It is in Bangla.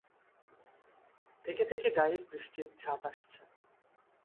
থেকে থেকে গায়ে বৃষ্টির ছাঁট আসছে।